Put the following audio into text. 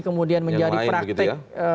kemudian menjadi praktik